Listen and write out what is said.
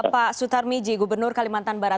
pak sutar miji gubernur kalimantan barat